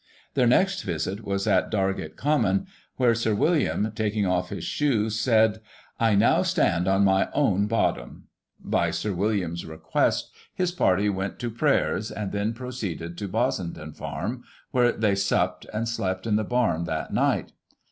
Their next visit was at Dajgate Common, where Sir William, taking off his shoes, said, *I now stand on my own bottom.' By Sir William's request, his party went to prayers, and then proceeded to Bossenden farm, where they supped, and slept in the bam that night.